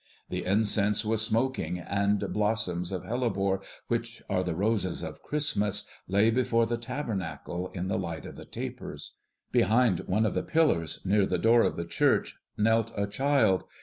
'" The incense was smoking, and blossoms of hellebore, which are the roses of Christmas, lay before the tabernacle in the light of the tapers. Behind one of the pillars, near the door of the church, knelt a child.